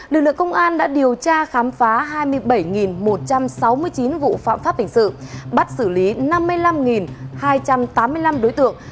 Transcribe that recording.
lực lượng công an đã điều tra khám phá hai mươi bảy một trăm sáu mươi chín vụ phạm pháp hình sự bắt xử lý năm mươi năm hai trăm tám mươi năm đối tượng